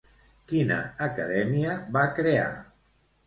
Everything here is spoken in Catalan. Quina acadèmia va crear?